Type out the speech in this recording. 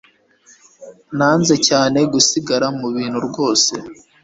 Nanze cyane gusigara mubintu rwose